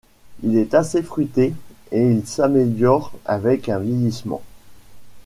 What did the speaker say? Il est assez fruité et il s'améliore avec un vieillissement.